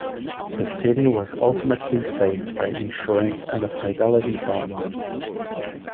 The city was ultimately saved by insurance and a fidelity bond.